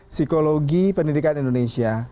psikologi pendidikan indonesia